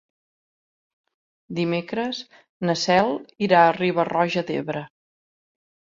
Dimecres na Cel irà a Riba-roja d'Ebre.